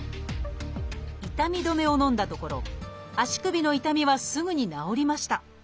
痛み止めをのんだところ足首の痛みはすぐに治りました。